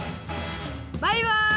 バイバイ！